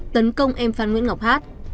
tấn công em phan nguyễn ngọc hát